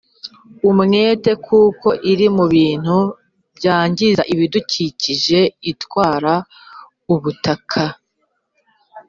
umwete kuko iri mu bintu byangiza ibidukikije itwara ubutaka,